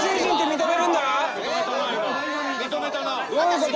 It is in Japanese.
認めたな今。